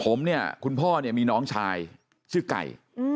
ผมเนี่ยคุณพ่อเนี่ยมีน้องชายชื่อไก่